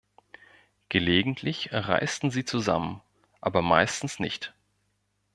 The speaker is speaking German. Gelegentlich reisten sie zusammen, aber meistens nicht.